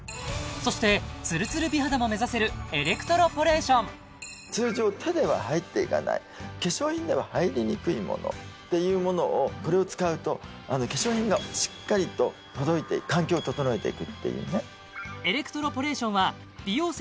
そしてツルツル美肌も目指せるエレクトロポレーション通常手では入っていかない化粧品では入りにくいものっていうものをこれを使うと化粧品がしっかりと届いて環境を整えていくっていうね